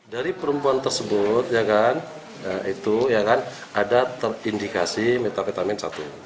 dari perempuan tersebut ada terindikasi metafetamin satu